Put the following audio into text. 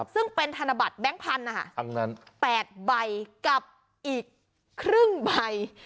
ซึ่งเป็นธนบัตรแบงค์พันธุ์นะฮะอันนั้นแปดใบกับอีกครึ่งใบโอ้โห